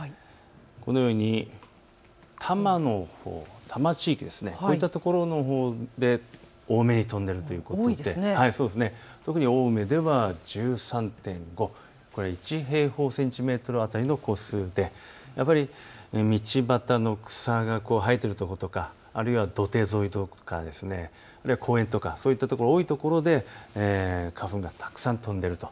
このように多摩のほう、多摩地域、こういったところのほうで多めに飛んでいるということで特に青梅では１３．５、これは１平方センチメートル当たりの個数で道端の草が生えているところとか、土手沿いとか公園とか、そういったところが多いところで花粉がたくさん飛んでいると。